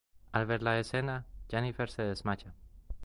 Al ver la escena, Jennifer se desmaya.